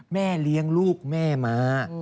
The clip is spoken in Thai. แม่เลี้ยงลูกแม่มา